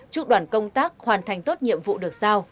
chúc đoàn công tác hoàn thành tốt nhiệm vụ được sao